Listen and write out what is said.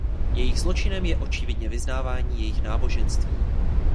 Jejich zločinem je očividně vyznávání jejich náboženství.